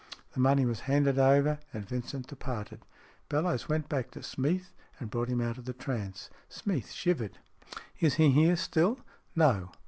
The money was handed over, and Vincent departed. Bellowes went back to Smeath and brought him out of the trance. Smeath shivered. SMEATH 29 "Is he here still?" "No.